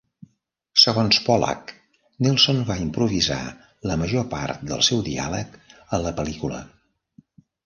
Segons Pollack, Nelson va improvisar la major part del seu diàleg a la pel·lícula.